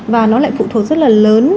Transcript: và nó lại phụ thuộc rất là lớn